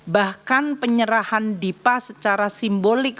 bahkan penyerahan dipa secara simbolik